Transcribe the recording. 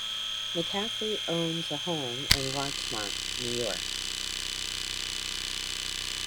McCaffrey owns a home in Larchmont, New York.